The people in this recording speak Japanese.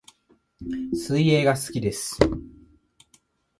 水泳が好きです